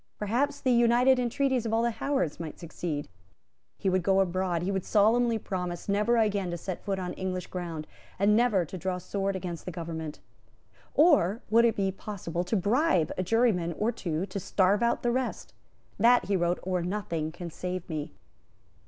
Perhaps the united entreaties of all the Howards might succeed. He would go abroad; he would solemnly promise never again to set foot on English ground, and never to draw sword against the government. Or would it be possible to bribe a juryman or two to starve out the rest? "That," he wrote, "or nothing can save me."